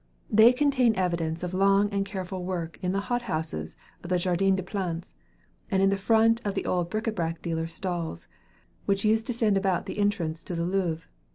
"They contain evidence of long and careful work in the hot houses of the 'Jardin des Plantes,' and in front of the old bric a brac dealer's stalls, which used to stand about the entrance to the Louvre.